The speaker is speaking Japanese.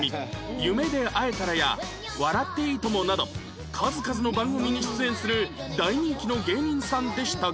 『夢で逢えたら』や『笑っていいとも！』など数々の番組に出演する大人気の芸人さんでしたが